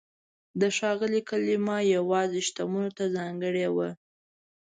د "ښاغلی" کلمه یوازې شتمنو ته ځانګړې وه.